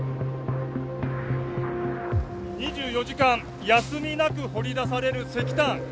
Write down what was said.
２４時間休みなく掘り出される石炭。